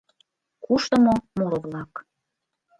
КУШТЫМО МУРО-ВЛАК.